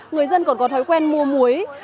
người dân còn có thói quen mua muối